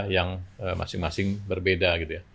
yang masing masing berbeda